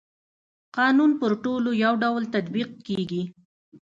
قانون پر ټولو يو ډول تطبيق کيږي.